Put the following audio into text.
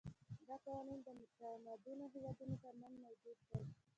دا قوانین د متمدنو هېوادونو ترمنځ موجود دي.